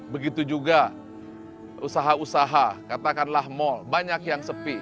begitu juga usaha usaha katakanlah mal banyak yang sepi